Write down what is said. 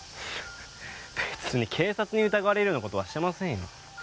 別に警察に疑われるような事はしてませんよ。